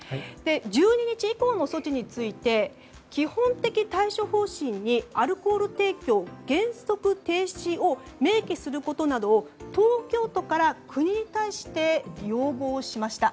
１２日以降の措置について基本的対処方針にアルコール提供の原則停止を明記することなどを東京都から国に対して要望しました。